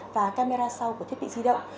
và camera sau của thiết bị di động